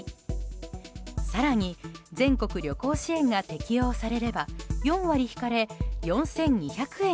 更に、全国旅行支援が適用されれば４割引かれ、４２００円に。